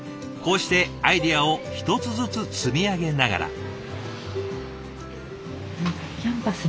こうしてアイデアを１つずつ積み上げながら。